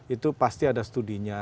itu pasti ada studinya